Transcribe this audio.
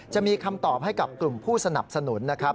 จะมีคำตอบให้กับกลุ่มผู้สนับสนุนนะครับ